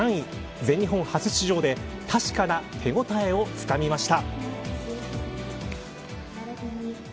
全日本初出場で確かな手応えをつかみました。